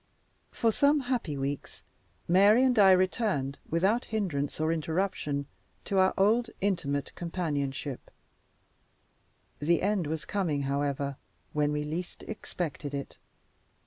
For some happy weeks Mary and I returned, without hinderance or interruption, to our old intimate companionship The end was coming, however, when we least expected it.